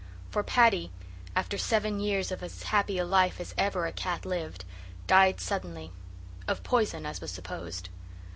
For Paddy, after seven years of as happy a life as ever a cat lived, died suddenly of poison, as was supposed.